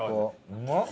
うまっ！